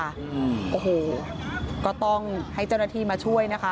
โอ้โหก็ต้องให้เจ้าหน้าที่มาช่วยนะคะ